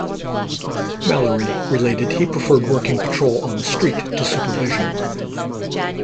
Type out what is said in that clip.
Malloy related he preferred working patrol on the street to supervision.